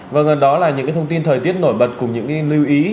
vâng đó là những thông tin thời tiết nổi bật cùng những lưu ý